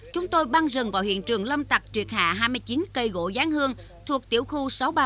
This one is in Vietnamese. chúng tôi băng rừng vào hiện trường lâm tặc triệt hạ hai mươi chín cây gỗ giáng hương thuộc tiểu khu sáu trăm ba mươi bảy